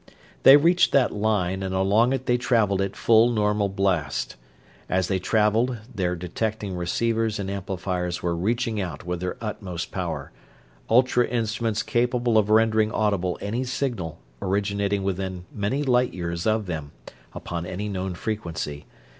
They reached that line and along it they traveled at full normal blast. As they traveled their detecting receivers and amplifiers were reaching out with their utmost power; ultra instruments capable of rendering audible any signal originating within many light years of them, upon any known frequency.